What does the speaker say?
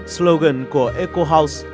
slogan của eco house